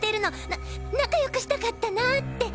な仲良くしたかったなって。